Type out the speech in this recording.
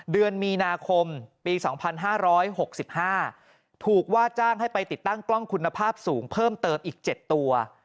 เดือนมีนาคมปี๒๕๖๕ถูกว่าจ้างให้ไปติดตั้งกล้องคุณภาพสูงเพิ่มเติมอีก๗ตัว